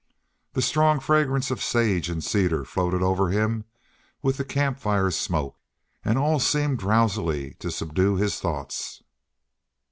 The strong fragrance of sage and cedar floated over him with the camp fire smoke, and all seemed drowsily to subdue his thoughts.